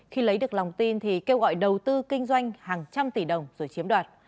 khi lấy được lòng tin thì kêu gọi đầu tư kinh doanh hàng trăm tỷ đồng rồi chiếm đoạt